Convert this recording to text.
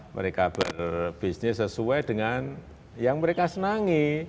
mereka berbisnis sesuai dengan yang mereka senangi